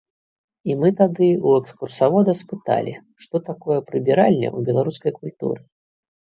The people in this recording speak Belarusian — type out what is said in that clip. І мы тады ў экскурсавода спыталі, што такое прыбіральня ў беларускай культуры.